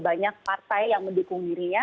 banyak partai yang mendukung dirinya